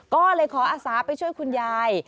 ก็เลยขออาสาไปช่วยคุณยาย